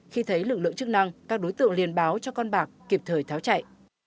khi thấy lực lượng chức năng các đối tượng liên báo cho con bạc kịp thời tháo chạy